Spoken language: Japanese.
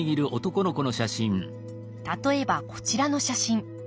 例えばこちらの写真。